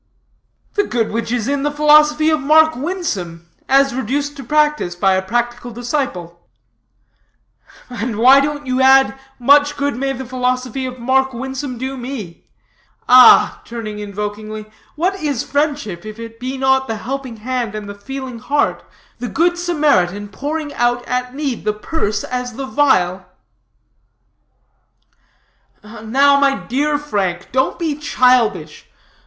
"The good which is in the philosophy of Mark Winsome, as reduced to practice by a practical disciple." "And why don't you add, much good may the philosophy of Mark Winsome do me? Ah," turning invokingly, "what is friendship, if it be not the helping hand and the feeling heart, the good Samaritan pouring out at need the purse as the vial!" "Now, my dear Frank, don't be childish.